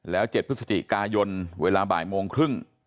แล้ว๗พฤศจิกายนเวลาบ่ายโมงครึ่ง